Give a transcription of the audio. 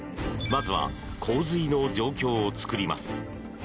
まずは洪水の状況を作ります。